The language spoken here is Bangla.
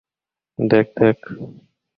দেখ, দেখ।